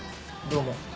どうも。